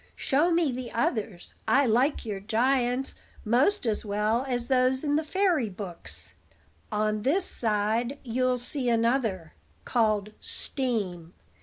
Show me the others: I like your giants 'most as well as those in the fairy books." "On this side you'll see another, called Steam.